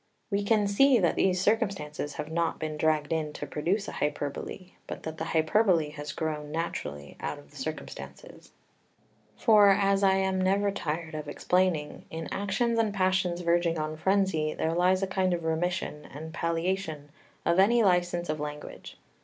We can see that these circumstances have not been dragged in to produce a hyperbole, but that the hyperbole has grown naturally out of the circumstances. [Footnote 5: vii. 225.] 5 For, as I am never tired of explaining, in actions and passions verging on frenzy there lies a kind of remission and palliation of any licence of language.